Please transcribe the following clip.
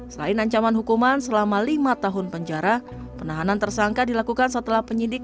selain ancaman hukuman selama lima tahun penjara penahanan tersangka dilakukan setelah penyidik